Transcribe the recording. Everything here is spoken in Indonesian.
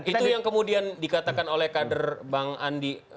itu yang kemudian dikatakan oleh kader bang andi